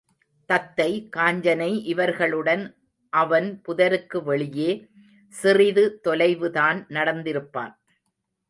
தத்தை, காஞ்சனை இவர்களுடன் அவன் புதருக்கு வெளியே சிறிது தொலைவுதான் நடந்திருப்பான்.